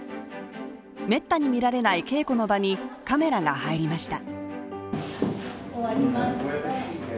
めったに見られない稽古の場にカメラが入りました。